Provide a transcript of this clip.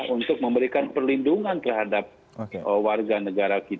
untuk memberikan perlindungan terhadap warga negara kita